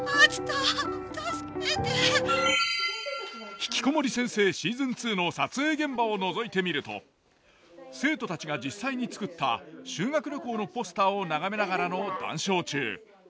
「ひきこもり先生」シーズン２の撮影現場をのぞいてみると生徒たちが実際に作った修学旅行のポスターを眺めながらの談笑中。